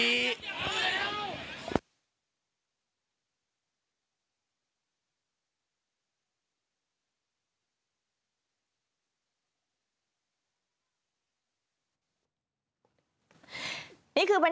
นี่คือบรรยากาศที่ท่าเรือเกียรติกายนะคะ